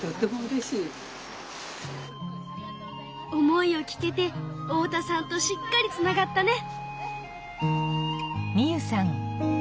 思いを聞けて太田さんとしっかりつながったね。